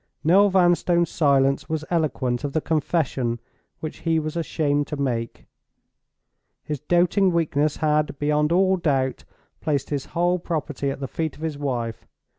Noel Vanstone's silence was eloquent of the confession which he was ashamed to make. His doting weakness had, beyond all doubt, placed his whole property at the feet of his wife.